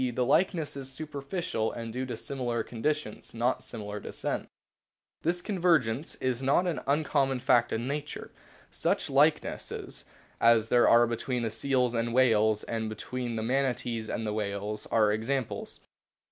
the likeness is superficial and due to similar conditions, not similar descent. This convergence is not an uncommon fact in nature. Such likenesses as there are between the seals and the whales and between the Manatees and the whales are examples.